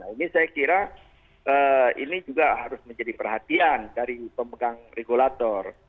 ini saya kira ini juga harus menjadi perhatian dari pemegang regulator